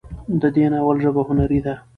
د دې ناول ژبه هنري ده